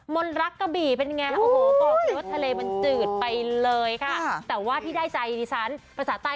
มนตรักกะบี่เป็นอย่างไร